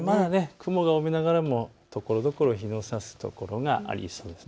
雲が多めながらもところどころ日のさす所がありそうです。